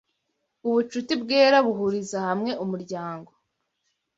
ubucuti bwera buhuriza hamwe umuryango